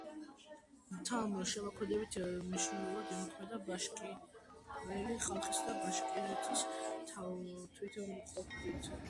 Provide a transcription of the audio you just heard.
მათმა შემოქმედებამ მნიშვნელოვანად იმოქმედა ბაშკირელი ხალხის და ბაშკირეთის თვითმყოფადობის შენარჩუნებაში.